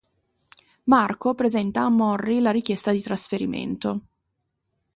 Marco presenta a Morri la richiesta di trasferimento.